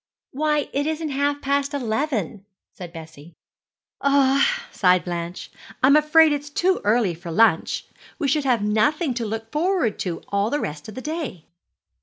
'Why, it isn't half past eleven,' said Bessie. 'Ah,' sighed Blanche, 'I'm afraid it's too early for lunch. We should have nothing left to look forward to all the rest of the day.'